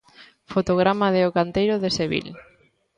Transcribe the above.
Fotograma de 'O canteiro de Sebil'.